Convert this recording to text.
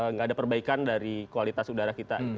nggak ada perbaikan dari kualitas udara kita